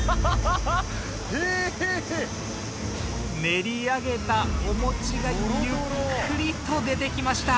練り上げたお餅がゆっくりと出てきました。